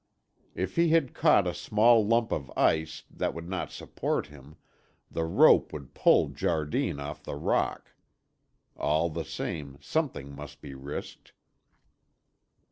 If he had caught a small lump of ice that would not support him, the rope would pull Jardine off the rock. All the same, something must be risked.